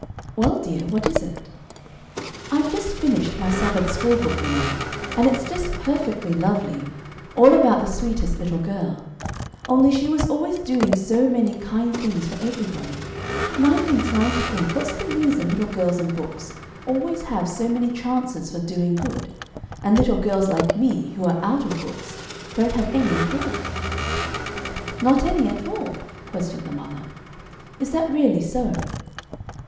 "Well, dear, what is it?" "I've just finished my Sabbath school book, you know, and it's just perfectly lovely; all about the sweetest little girl; only she was always doing so many kind things for everybody; and I've been trying to think what's the reason little girls in books always have so many chances for doing good, and little girls like me, who are out of books, don't have any at all." "Not any at all?" questioned the mother. "Is that really so?"